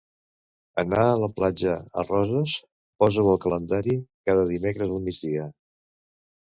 "Anar a la platja" a Roses posa-ho al calendari cada dimecres al migdia.